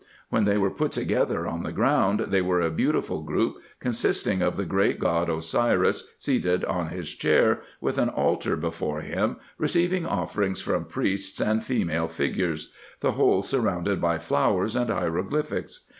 When they were put together on the ground, they were a beautiful group, consisting of the great god Osiris seated on his chair, with an altar before him, receiving offerings from priests and female figures ; the whole sur rounded by flowers and hieroglyphics.